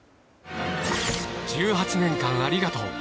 １８年間ありがとう。